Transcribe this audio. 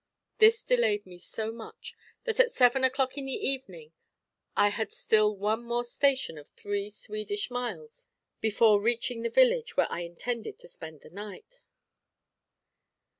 This delayed me so much that at seven o'clock in the evening I had still one more station of three Swedish miles before reaching the village where I intended to spend the night.